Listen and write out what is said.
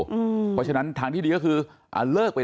เพราะฉะนั้นทางที่ดีก็คือเลิกไป